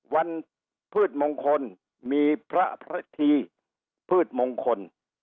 พืชมงคลมีพระพระธีพืชมงคล